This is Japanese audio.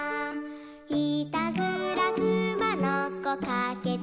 「いたずらくまのこかけてきて」